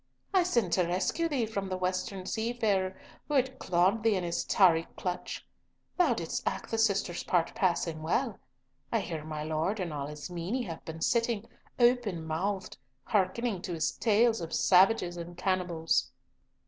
"I sent to rescue thee from the western seafarer who had clawed thee in his tarry clutch. Thou didst act the sister's part passing well. I hear my Lord and all his meine have been sitting, open mouthed, hearkening to his tales of savages and cannibals."